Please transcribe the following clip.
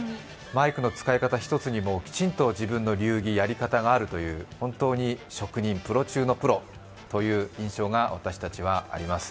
マイクの使い方一つにもきちんと自分の流儀、やり方があるという本当に職人、プロ中のプロという印象が私たちにはあります。